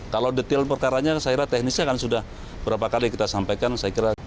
kalau detail perkaranya saya rasa teknisnya kan sudah berapa kali kita sampaikan saya kira